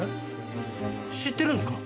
知ってるんですか？